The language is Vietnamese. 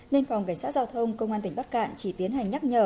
nên phòng cảnh sát giao thông công an tỉnh bắc cạn chỉ tiến hành nhắc nhở